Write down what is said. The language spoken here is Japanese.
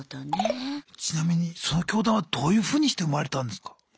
ちなみにその教団はどういうふうにして生まれたんですか？